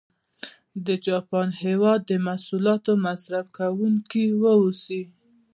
د جاپان هېواد د محصولاتو مصرف کوونکي و اوسي.